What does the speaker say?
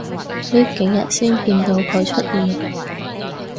呢幾日先見到佢出現